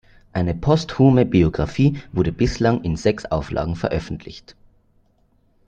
Eine posthume Biografie wurde bislang in sechs Auflagen veröffentlicht.